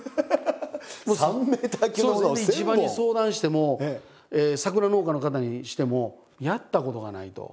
それで市場に相談しても桜農家にしても「やったことがない」と。